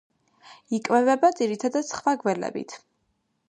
იკვებება ძირითადად სხვა გველებით.